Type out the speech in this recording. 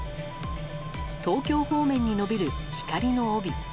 東京方面に伸びる光の帯。